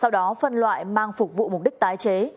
sau đó phân loại mang phục vụ mục đích tái chế